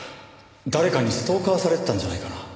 誰かにストーカーされてたんじゃないかな？